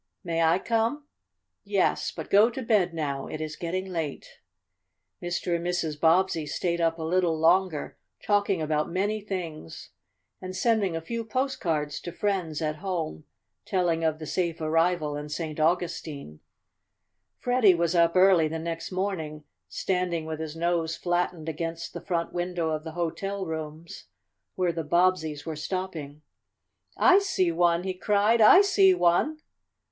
"May I come?" "Yes, but go to bed now. It is getting late." Mr. and Mrs. Bobbsey stayed up a little longer, talking about many things, and sending a few postcards to friends at home, telling of the safe arrival in St. Augustine. Freddie was up early the next morning, standing with his nose flattened against the front window of the hotel rooms where the Bobbseys were stopping. "I see one!" he cried. "I see one!"